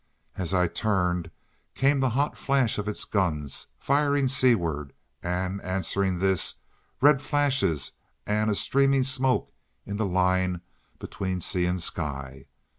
As I turned, came the hot flash of its guns, firing seaward, and answering this, red flashes and a streaming smoke in the line between sea and sky.